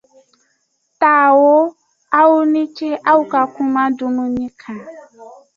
Tao Aw ni ce aw ka kuma dumuni kan.